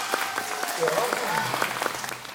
Iɣaḍ-iyi.